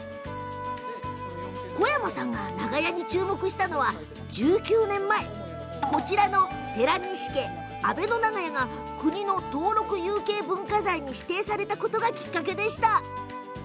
小山さんが長屋に注目したのは１９年前こちらの寺西家阿倍野長屋が国の登録有形文化財に指定されたことがきっかけでした。